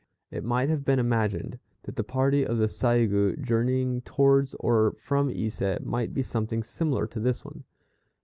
It might have been imagined that the party of the Saigû journeying towards or from Ise, might be something similar to this one.